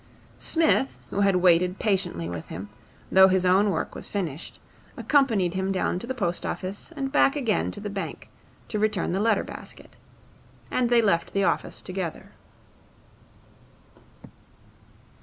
Psmith, who had waited patiently with him, though his own work was finished, accompanied him down to the post office and back again to the bank to return the letter basket; and they left the office together.